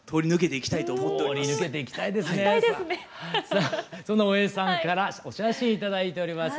さあそんな大江さんからお写真頂いております。